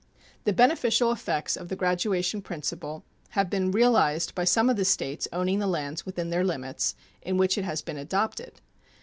The beneficial effects of the graduation principle have been realized by some of the States owning the lands within their limits in which it has been adopted.